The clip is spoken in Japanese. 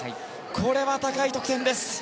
これは高い得点です。